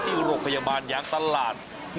ที่อยู่หลวงพยาบาลอย่างตลาด